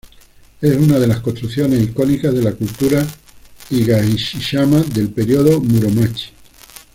Es una de las construcciones icónicas de la Cultura Higashiyama del Período Muromachi.